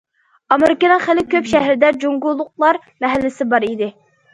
ئامېرىكىنىڭ خىلى كۆپ شەھىرىدە جۇڭگولۇقلار مەھەللىسى بار ئىدى.